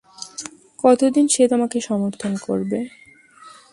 কতদিন সে তোমাকে সমর্থন করবে?